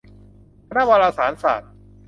คณะวารสารศาสตร์